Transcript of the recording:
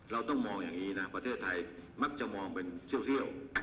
เราต้องมองอย่างนี้นะประเทศไทยมักจะมองเป็นเชี่ยว